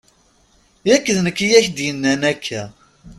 Yak d nekk i ak-d-yennan akka!